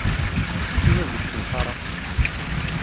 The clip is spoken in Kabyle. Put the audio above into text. Acu tenniḍ deg usenfaṛ-a?